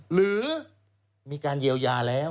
หรือมีการเยียวยาแล้ว